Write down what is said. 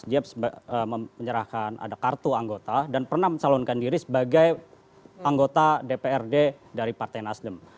dia menyerahkan ada kartu anggota dan pernah mencalonkan diri sebagai anggota dprd dari partai nasdem